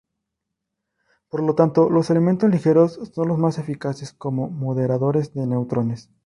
Por lo tanto los elementos ligeros son los más eficaces como moderadores de neutrones.